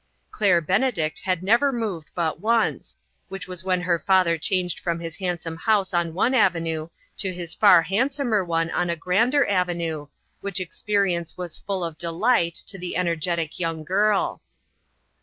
Claire Benedict had never moved but once, which was when her father changed from his hand some house on one avenue to his far hand somer one on a grander avenue, which expe rience was full of delight to the energetic young girl.